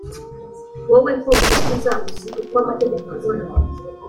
Wowe ko usakuza uzi uko amategeko akora